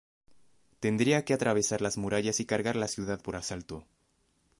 Tendría que atravesar las murallas y cargar la ciudad por asalto.